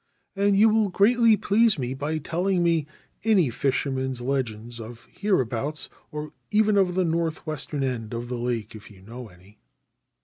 ' And you will greatly please me by telling me any fishermen's legends of hereabouts, or even of the north western end of the lake if you know any.'